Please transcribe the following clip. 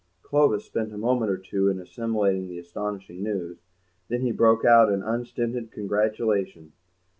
Clovis spent a moment or two in assimilating the astonishing news; then he broke out into unstinted congratulation.